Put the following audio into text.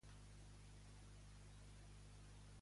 On es durà a terme aquest ajuntament?